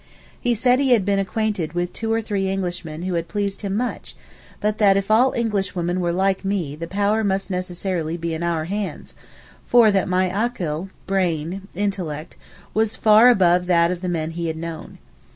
He said he had been acquainted with two or three Englishmen who had pleased him much, but that if all Englishwomen were like me the power must necessarily be in our hands, for that my akl (brain, intellect) was far above that of the men he had known.